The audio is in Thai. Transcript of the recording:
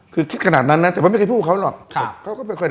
คือคิดขนาดนั้นนะแต่ผมไม่เคยพูดกับเขาหรอก